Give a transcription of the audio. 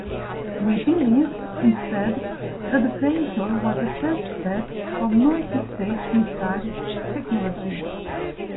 We believe instead that the vehicle was a test bed for multi-stage missile technologies.